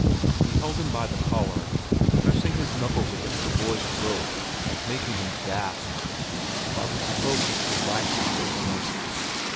He held him by the collar, pressing his knuckles against the boy's throat and making him gasp, while he spoke with derisive gentleness.